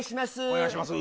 お願いします。